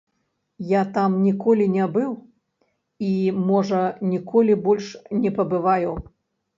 Я там ніколі не быў і, можа, ніколі, больш не пабываю.